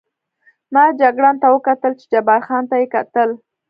ما جګړن ته وکتل، چې جبار خان ته یې کتل.